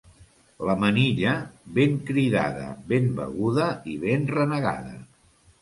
La manilla, ben cridada, ben beguda i ben renegada.